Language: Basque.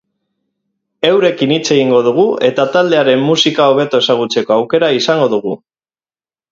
Eurekin hitz egingo dugu eta taldearen musika hobeto ezagutzeko aukera izango dugu.